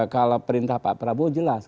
kalau perintah pak prabowo jelas